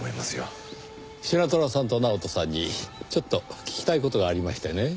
シナトラさんと直人さんにちょっと聞きたい事がありましてね。